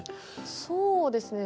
そうですね。